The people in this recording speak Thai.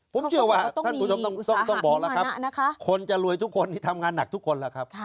ผมเชื่อว่าท่านผู้ชมต้องบอกแล้วครับคนจะรวยทุกคนที่ทำงานหนักทุกคนแล้วครับ